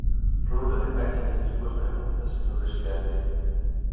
Rolda de peche destas dúas preguntas, señor presidente.